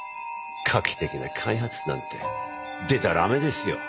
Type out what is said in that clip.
画期的な開発なんてでたらめですよ。